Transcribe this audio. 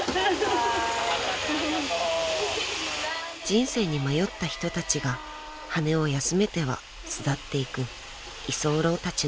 ［人生に迷った人たちが羽を休めては巣立っていく居候たちの家］